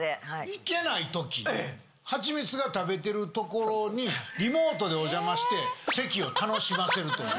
行けない時八光が食べてる所にリモートでお邪魔して席を楽しませるという。